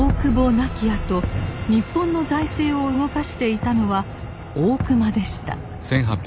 亡きあと日本の財政を動かしていたのは大隈でした。